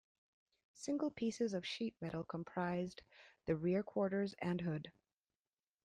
Single pieces of sheet metal comprised the rear quarters and hood.